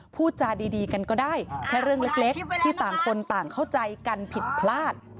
พูดจาดีกันก็ได้แค่เรื่องเล็กที่ต่างคนต่างเข้าใจกันผิดพลาด